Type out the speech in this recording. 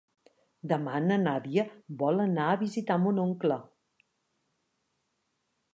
Demà na Nàdia vol anar a visitar mon oncle.